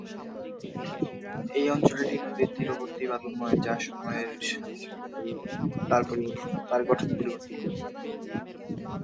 এই অঞ্চলটি নদীর তীরবর্তী বালুময়, যা সময়ের সাথে সাথে তার গঠন পরিবর্তন করে।